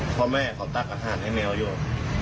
เพราะแม่เขาตักอาหารให้แมวอยู่